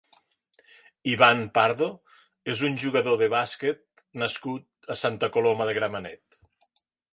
Iván Pardo és un jugador de bàsquet nascut a Santa Coloma de Gramenet.